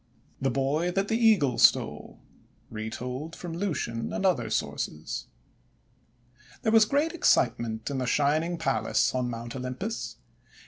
THE BOY THAT THE EAGLE STOLE Retold from Lucian and Other Sources THERE was great excitement in the Shining Palace on Mount Olympus.